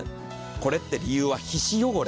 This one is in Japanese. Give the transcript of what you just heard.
これって理由は皮脂汚れ。